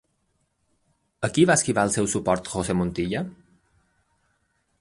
A qui va esquivar el seu suport José Montilla?